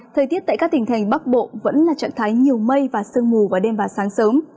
thời tiết tại các tỉnh thành bắc bộ vẫn là trạng thái nhiều mây và sương mù vào đêm và sáng sớm